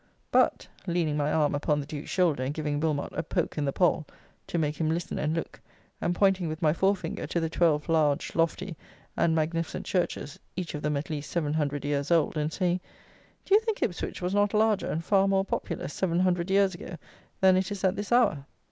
But," leaning my arm upon the Duke's shoulder, and giving Wilmot a poke in the poll to make him listen and look, and pointing with my fore finger to the twelve large, lofty, and magnificent churches, each of them at least 700 years old, and saying, "Do you think Ipswich was not larger and far more populous 700 years ago than it is at this hour?"